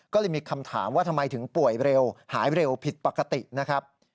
ก็เลยมีคำถามว่าทำไมถึงป่วยเร็วหายเร็วผิดปกตินะครับ